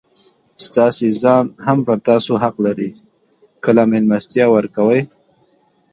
ستاسي ځان هم پر تاسو حق لري؛ کله مېلمستیا ورکوئ!